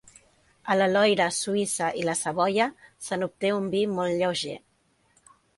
A la Loira, Suïssa i la Savoia se n'obté un vi molt lleuger.